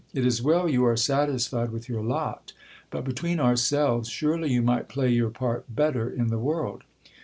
It is well you are s'atisfied with your lot ; but, between ourselves, surely you might play your part better in the world.